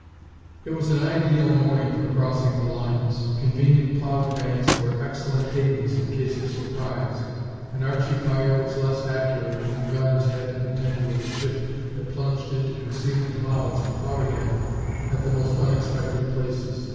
It was an ideal morning for crossing the lines. Convenient cloud banks were excellent havens in case of surprise, and Archie fire was less accurate when the gunners had to contend with a ship that plunged into concealing clouds and out again at the most unexpected places.